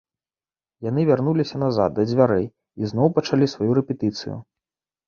Яны вярнуліся назад да дзвярэй і зноў пачалі сваю рэпетыцыю.